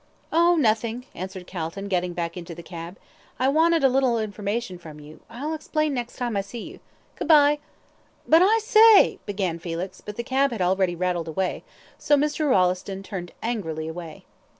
"Oh, nothing," answered Calton, getting back into the cab. "I wanted a little information from you; I'll explain next time I see you Good bye!" "But I say," began Felix, but the cab had already rattled away, so Mr. Rolleston turned angrily away.